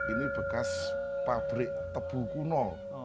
ini bekas pabrik tebu kuno